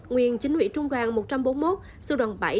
nguyên chính nguyễn trung đoàn một trăm bốn mươi một sưu đoàn bảy